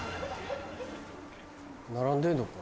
並んでんのか。